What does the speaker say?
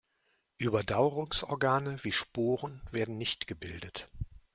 Überdauerungsorgane wie Sporen werden nicht gebildet.